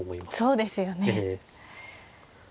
そうですよね。